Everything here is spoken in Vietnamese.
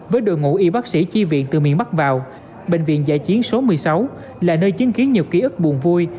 với đội ngũ y bác sĩ chi viện từ miền bắc vào bệnh viện giải chiến số một mươi sáu là nơi chứng kiến nhiều ký ức buồn vui